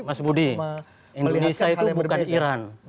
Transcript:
mas budi indonesia itu bukan iran